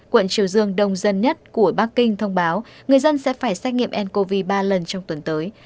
quận triều dương đông dân nhất của bắc kinh thông báo người dân sẽ phải xét nghiệm ncov ba lần trong tuần tới